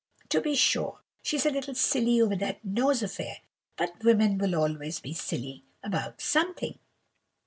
To be sure, she's a little silly over that nose affair;—but women will always be silly about something.